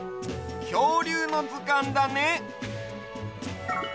きょうりゅうのずかんだね。